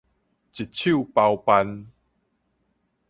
一手包辦